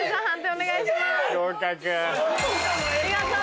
判定お願いします。